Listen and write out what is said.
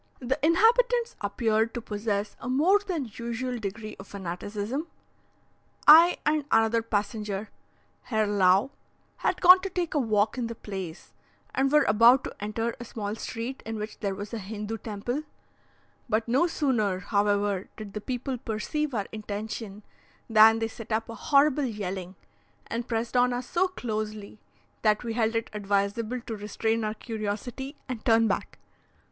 The inhabitants appeared to possess a more than usual degree of fanaticism. I and another passenger, Herr Lau, had gone to take a walk in the place, and were about to enter a small street in which there was a Hindoo temple; but no sooner, however, did the people perceive our intention, than they set up a horrible yelling, and pressed on us so closely, that we held it advisable to restrain our curiosity and turn back.